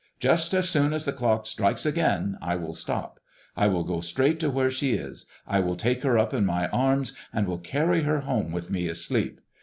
Just as soon as the clock strikes again I will stop, I will go straight to where she is, I will take her up in my arms and will carry her home with me asleep.